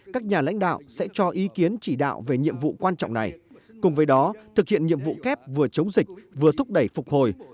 các nhà lãnh đạo sẽ cho ý kiến chỉ đạo về nhiệm vụ quan trọng này cùng với đó thực hiện nhiệm vụ kép vừa chống dịch vừa thúc đẩy phục hồi